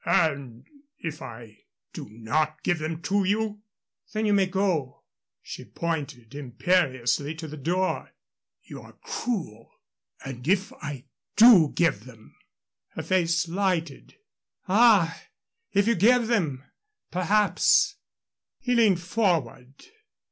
"And if I do not give them to you?" "Then you may go." She pointed imperiously to the door. "You are cruel. And if I do give them?" Her face lighted. "Ah. If you give them, perhaps " He leaned forward.